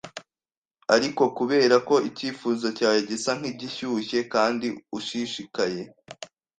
Ariko kubera ko icyifuzo cyawe gisa nkigishyushye kandi ushishikaye